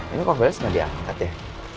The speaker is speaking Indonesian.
ini kok biasanya gak diangkat ya